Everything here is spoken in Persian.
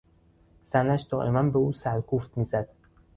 زنش دائما به او سرکوفت میزد.